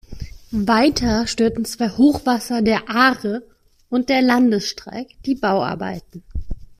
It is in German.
Weiter störten zwei Hochwasser der Aare und der Landesstreik die Bauarbeiten.